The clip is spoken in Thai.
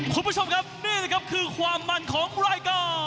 คุณผู้ชมครับนี่นะครับคือความมันของรายการ